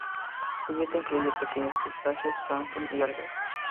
Su dieta incluye pequeños crustáceos, plancton, y algas.